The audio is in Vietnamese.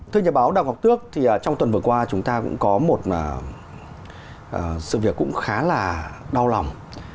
thưa nhà báo đào ngọc tước thì trong tuần vừa qua chúng ta cũng có một sự việc cũng khá là đau lòng